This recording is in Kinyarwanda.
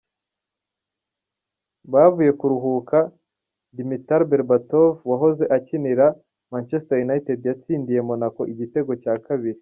Bavuye kuruhuka, Dimitar Berbatov wahoze akinira Manchester United yatsindiye Monaco igitego cya kabiri.